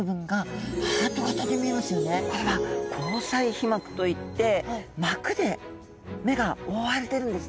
これは虹彩皮膜といって膜で目が覆われてるんですね。